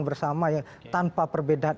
bersama tanpa perbedaan